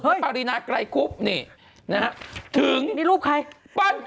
เฮ้ยนี่ปรินาไกรคุบนี่นะฮะนี่รูปใครถึงปื้นมีรูปที่ปื้น